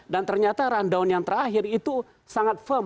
dan ternyata rundown yang terakhir itu sangat firm